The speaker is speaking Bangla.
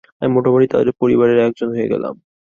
আমি মোটামুটি তাঁদের পরিবারের একজন হয়ে গেলাম।